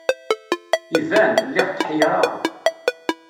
Iban, lliɣ tḥeyyreɣ.